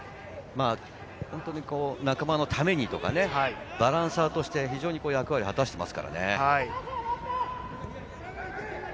仲間のためにとか、バランサーとして、非常に役割を話しています。